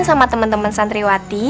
sama temen temen santriwati